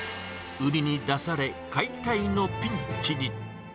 売りに出され、解体のピンチに。